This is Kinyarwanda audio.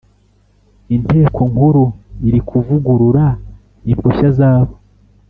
inteko Nkuru iri kuvugurura impushya zabo